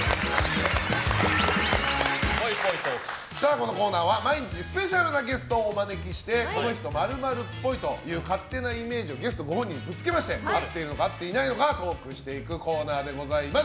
このコーナーは毎日スペシャルなゲストをお招きしてこの人○○っぽいという勝手なイメージをゲストご本人にぶつけまして合っているのか合っていないのかトークしていくコーナーでございます。